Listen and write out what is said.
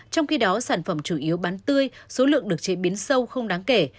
trong khi đó sản phẩm chủ yếu bán tươi số lượng được chế biến sâu không đáng kể